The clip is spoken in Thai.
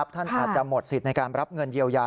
ท่านอาจจะหมดสิทธิ์ในการรับเงินเยียวยา